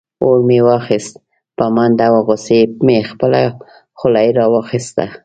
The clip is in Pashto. اور مې واخیست په منډه او غصې مې خپله خولۍ راواخیسته.